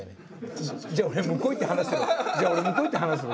じゃあ俺向こう行って話してるわ。